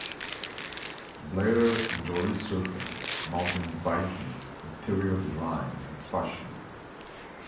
Bleiler enjoys surfing, mountain biking, interior design and fashion.